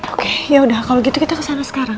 oke ya udah kalau gitu kita kesana sekarang